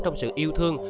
trong sự yêu thương